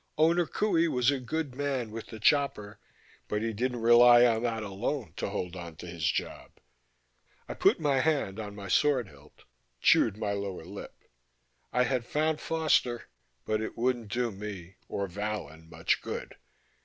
Owner Qohey was a good man with the chopper but he didn't rely on that alone to hold onto his job. I put my hand on my sword hilt, chewed my lower lip. I had found Foster ... but it wouldn't do me or Vallon much good.